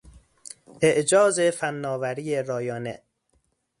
اعجاز فنآوری رایانه